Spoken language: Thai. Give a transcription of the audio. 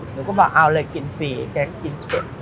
หนูก็บอกเอาเลยกินฟรีแกกินเจ็บ